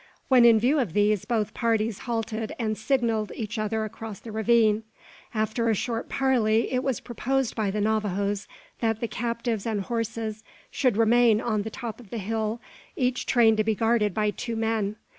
When in view of these, both parties halted and signalled each other across the ravine. After a short parley, it was proposed by the Navajoes that the captives and horses should remain on the top of the hill, each train to be guarded by two men.